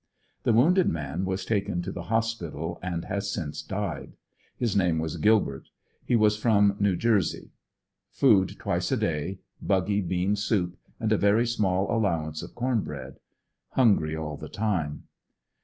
The wounded man wastaken to the hospital and has since died. His name was Gilbert. He was from New Jersey Food twice to day; buggy bean soup and a very small allowance of corn bread. Hungry all the time.